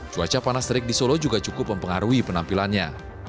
cuaca panas terik di solo juga cukup mempengaruhi penampilannya